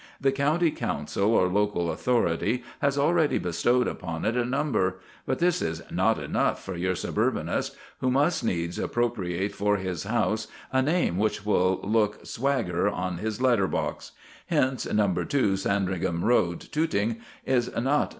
The County Council or local authority has already bestowed upon it a number. But this is not enough for your suburbanist, who must needs appropriate for his house a name which will look swagger on his letter paper. Hence No. 2, Sandringham Road, Tooting, is not No.